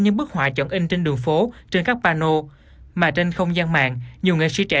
những bức họa chọn in trên đường phố trên các pano mà trên không gian mạng nhiều nghệ sĩ trẻ